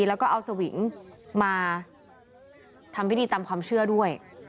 แล้วก็เอาสวิงมาทำพิธีตามความเชื่อด้วย